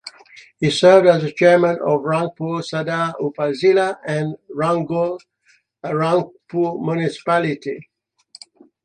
He served as the Chairman of Rangpur Sadar Upazila and Rangpur Municipality.